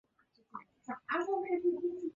直萼虎耳草为虎耳草科虎耳草属下的一个种。